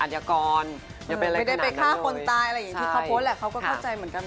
ไม่ได้ไปฆ่าคนตายอะไรอย่างที่เขาโพสต์แหละเขาก็เข้าใจเหมือนกัน